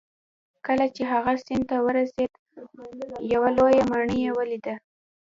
کله چې هغه سیند ته ورسید یوه لویه ماڼۍ یې ولیده.